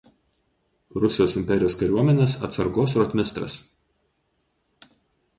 Rusijos imperijos kariuomenės atsargos rotmistras.